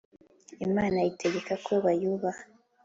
imana itegeka ko bayubaha